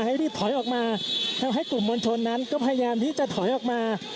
ให้รีบถอยออกมาทำให้กลุ่มมวลชนนั้นก็พยายามที่จะถอยออกมา